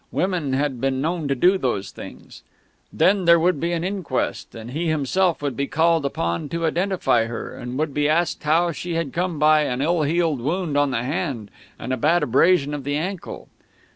Women had been known to do those things.... Then there would be an inquest, and he himself would be called upon to identify her, and would be asked how she had come by an ill healed wound on the hand and a bad abrasion of the ankle.